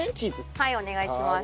はいお願いします。